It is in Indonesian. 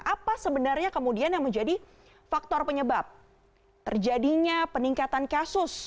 apa sebenarnya kemudian yang menjadi faktor penyebab terjadinya peningkatan kasus